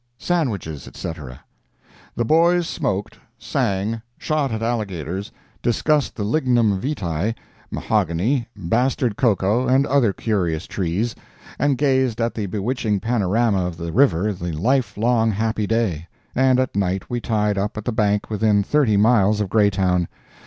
SANDWICHES, ETC. The boys smoked, sang, shot at alligators, discussed the lignum vitae, mahogany, bastard cocoa and other curious trees, and gazed at the bewitching panorama of the river the livelong happy day, and at night we tied up at the bank within 30 miles of Greytown.